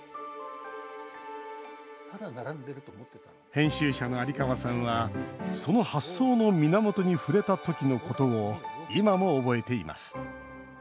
編集者の有川さんはその発想の源に触れた時のことを今も覚えています